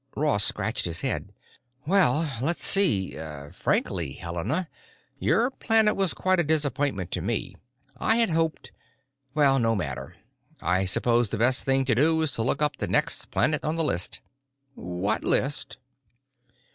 Ross scratched his head. "Well, let's see. Frankly, Helena, your planet was quite a disappointment to me. I had hoped——Well, no matter. I suppose the best thing to do is to look up the next planet on the list." "What list?"